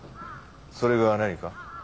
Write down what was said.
それが何か？